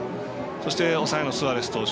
そして、抑えのスアレス投手